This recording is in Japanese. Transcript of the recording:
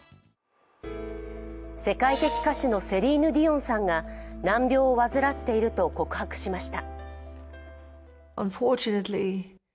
世界的歌手のセリーヌ・ディオンさんが難病を患っていると告白しました。